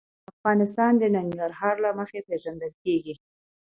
افغانستان د ننګرهار له مخې پېژندل کېږي.